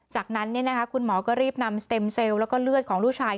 จากนั้นคุณหมอก็รีบนำสเต็มเซลล์แล้วก็เลือดของลูกชาย